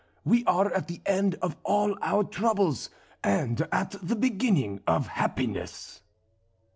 We are at the end of all our troubles, and at the beginning of happiness."